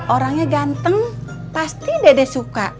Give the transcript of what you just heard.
orangnya ganteng pasti dede suka